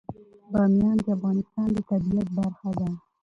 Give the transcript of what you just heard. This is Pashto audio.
بامیان د افغانستان د طبیعت برخه ده.